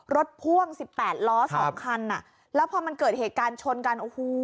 รถพ่วง๑๘ล้อ๒คันแล้วพอมันเกิดเหตุการณ์ชนกัน